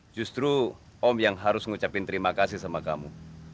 justru om yang harus ngucapin terima kasih sama kamu